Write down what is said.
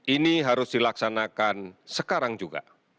ini harus dilaksanakan sekarang juga